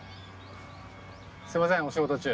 すみませんお仕事中。